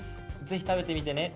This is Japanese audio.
ぜひ食べてみてね。